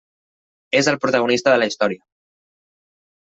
És el protagonista de la història.